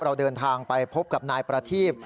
เราเดินทางไปพบกับนายประทีพ